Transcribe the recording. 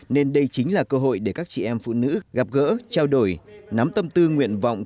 nên đây chính là cơ hội để các chị em phụ nữ gặp gỡ trao đổi nắm tâm tư nguyện vọng